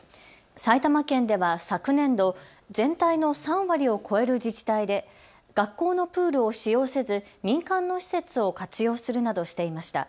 埼玉県では昨年度、全体の３割を超える自治体で学校のプールを使用せず民間の施設を活用するなどしていました。